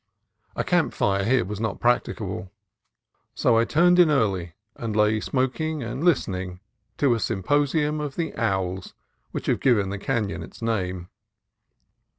A camp fire here was not practicable, so I turned in early and lay smoking and listening to a sympo sium of the owls which have given the canon its name.